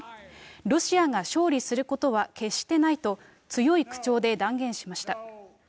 ロシアが勝利することは決してないと、強い口調で断言しました。